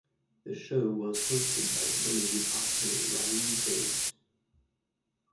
The show was hosted by Bollywood actor Rahul Bose.